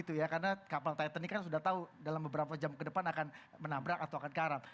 karena kapal titanic kan sudah tahu dalam beberapa jam ke depan akan menabrak atau akan karam